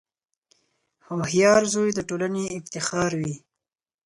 • هوښیار زوی د ټولنې افتخار وي.